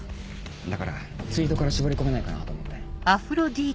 だからツイートから絞り込めないかなと思って。